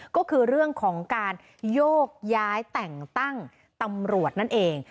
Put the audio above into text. ก็คือเรื่องของการโยกย้ายแต่งตั้งตำรวจนั่นเอง